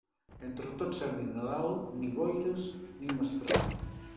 Entre Tots Sants i Nadal, ni boires ni mestral.